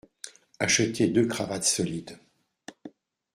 Acheter deux cravates solides.